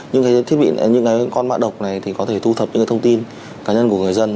những cái thiết bị những cái con mã độc này thì có thể thu thập những cái thông tin cá nhân của người dân